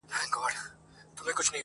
درد د انسان برخه ګرځي تل,